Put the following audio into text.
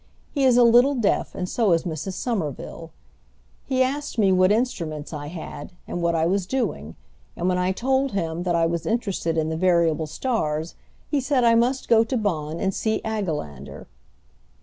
He is a little deaf, and so is Mrs. Somerville. He asked me what instruments I had, and what I was doing; and when I told him that I was interested in the variable stars, he said I must go to Bonn and see Agelander."